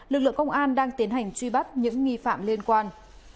lực lượng công an đang tiến hành truy bắt những nghi phạm liên quan